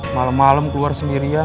malem malem keluar sendirian